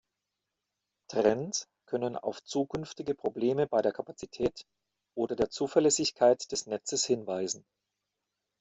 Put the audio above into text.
Trends können auf zukünftige Probleme bei der Kapazität oder der Zuverlässigkeit des Netzes hinweisen.